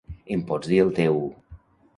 Em pots dir el teu...?